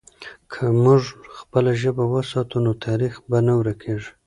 که موږ خپله ژبه وساتو، نو تاریخ به نه ورکېږي.